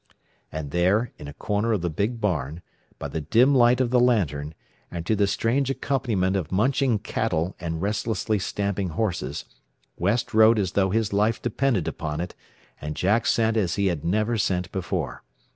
And there, in a corner of the big barn, by the dim light of the lantern, and to the strange accompaniment of munching cattle and restlessly stamping horses, West wrote as though his life depended upon it, and Jack sent as he had never sent before.